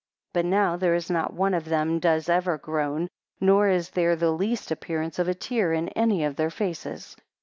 8 But now there is not one of them does ever groan, nor is there the least appearance of a tear in any of their faces.